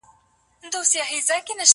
د واده په وليمه کي پسه حلالول څه فضيلت لري؟